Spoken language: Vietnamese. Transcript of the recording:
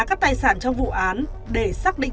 các tài sản trong vụ án để xác định